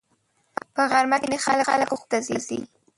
په غرمه کې ځینې خلک خوب ته ځي